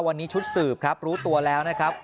วันนี้ชุดสืบครับรู้ตัวแล้วนะครับ